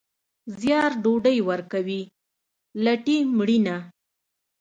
زیار ډوډۍ ورکوي، لټي مړینه.